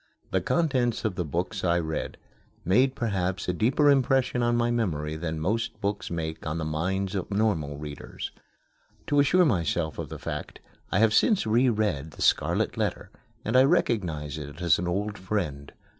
The contents of the books I read made perhaps a deeper impression on my memory than most books make on the minds of normal readers. To assure myself of the fact, I have since reread "The Scarlet Letter," and I recognize it as an old friend.